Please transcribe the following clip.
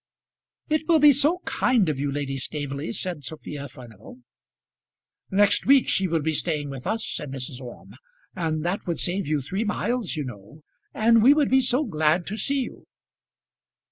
"It will be so kind of you, Lady Staveley," said Sophia Furnival. "Next week she will be staying with us," said Mrs. Orme. "And that would save you three miles, you know, and we should be so glad to see you."